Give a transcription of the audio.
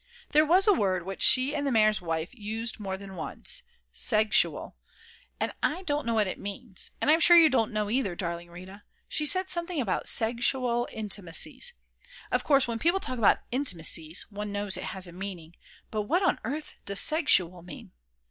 There was a word which she and the mayor's wife used more than once, segsual and I don't know what it means, and I'm sure you don't know either, darling Rita. She said something about segsual intimacies; of course when people talk about intimacies, one knows it has a meaning, but what on earth does segsual mean?